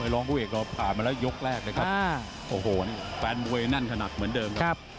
เราผ่านมาแล้วยกแรกนะครับโอ้โหแฟนมวยนั่นขนาดเหมือนเดิมครับ